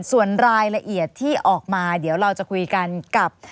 ส่วนรายละเอียดที่ออกมาเดี๋ยวเราจะคุยกันกับ